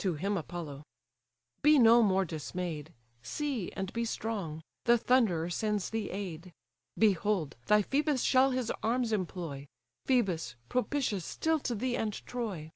To him Apollo: "Be no more dismay'd; See, and be strong! the Thunderer sends thee aid. Behold! thy Phœbus shall his arms employ, Phœbus, propitious still to thee and Troy.